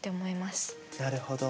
なるほど。